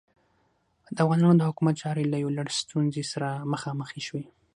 د افغانانو د حکومت چارې له یو لړ ستونزو سره مخامخې شوې.